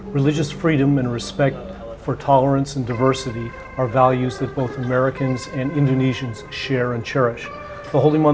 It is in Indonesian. kebebasan agama dan hormat untuk toleransi dan kebiasaan adalah nilai yang dikongsi dan dihargai oleh amerika dan indonesia